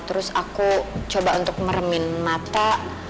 terus aku coba untuk meremin mata